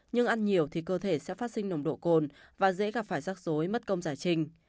nhưng ăn nhiều thì cơ thể sẽ phát sinh nồng độ cồn và dễ gặp phải rắc rối mất công giải trình